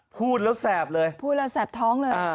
พูดแล้วแสบเลยพูดแล้วแสบท้องเลย